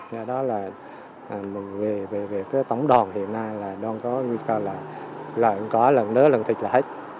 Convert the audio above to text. do đó là về tổng đoàn hiện nay là đoán có nguy cơ là lợn có lợn nớ lợn thịt là hết